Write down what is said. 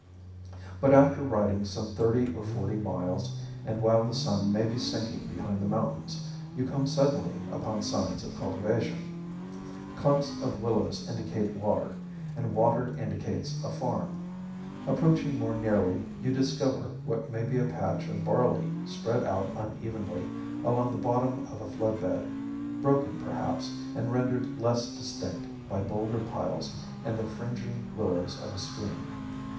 But after riding some thirty or forty miles, and while the sun may be sinking behind the mountains, you come suddenly upon signs of cultivation. Clumps of willows indicate water, and water indicates a farm. Approaching more nearly, you discover what may be a patch of barley spread out unevenly along the bottom of a flood bed, broken perhaps, and rendered less distinct by boulder piles and the fringing willows of a stream.